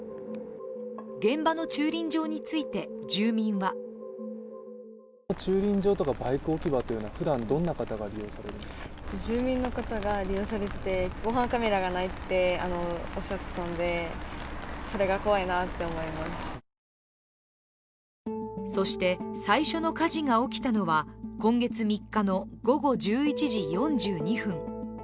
現場の駐輪場について、住民はそして、最初の火事が起きたのは今月３日の午後１１時４２分。